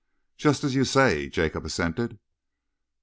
"Just as you say," Jacob assented.